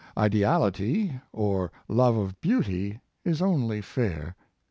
Ideality, or love of beauty, is only fair.